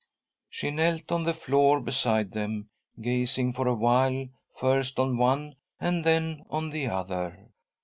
She knelt on the floor beside them, gazing for a while first on one and then on the other.